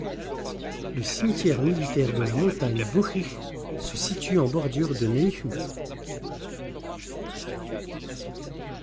Le Cimetière militaire de la montagne Wuchih se situe en bordure de Neihu.